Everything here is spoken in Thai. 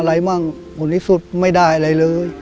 อะไรบ้างมันนิสุทธิ์ไม่ได้อะไรเลย